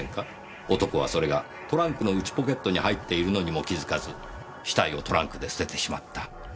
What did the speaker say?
男はそれがトランクの内ポケットに入っているのにも気づかず死体をトランクで捨ててしまった。